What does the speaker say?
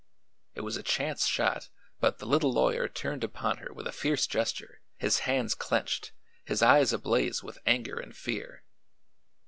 It was a chance shot but the little lawyer turned upon her with a fierce gesture, his hands clenched, his eyes ablaze with anger and fear.